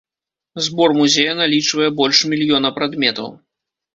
Збор музея налічвае больш мільёна прадметаў.